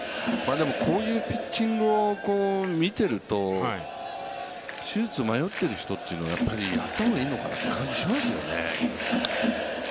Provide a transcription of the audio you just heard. こういうピッチングを見ていると、手術を迷っている人はやった方がいいのかなって感じがしますよね。